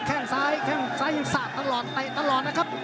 แค่งซ้ายแข้งซ้ายยังสาดตลอดเตะตลอดนะครับ